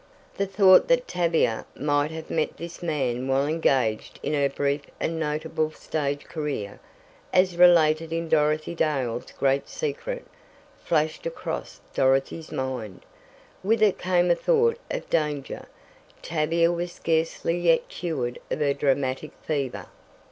The thought that Tavia might have met this man while engaged in her brief and notable stage career, as related in "Dorothy Dale's Great Secret," flashed across Dorothy's mind. With it came a thought of danger Tavia was scarcely yet cured of her dramatic fever.